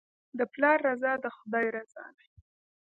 د پلار رضا د خدای رضا ده.